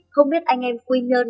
không biết anh em quy nhơn